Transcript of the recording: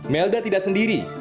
melda tidak sendiri